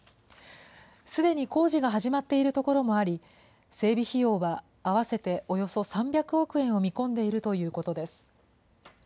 すでに工事が始まっている所もあり、整備費用は合わせておよそ３００億円を見込んでいるということです。